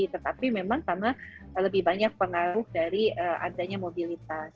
tetapi memang karena lebih banyak pengaruh dari adanya mobilitas